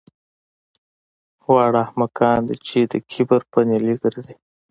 واړه احمقان دي چې د کبر په نیلي ګرځي